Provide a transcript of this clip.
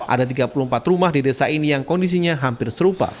ada tiga puluh empat rumah di desa ini yang kondisinya hampir serupa